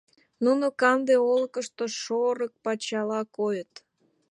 Нуно канде олыкышто шорык пачала койыт.